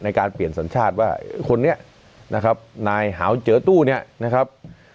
ในการเปลี่ยนสัญชาติว่าคนนี้นะครับนายหาวเจอตู้เนี่ยนะครับ